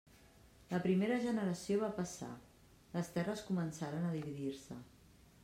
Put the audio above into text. La primera generació va passar; les terres començaren a dividir-se.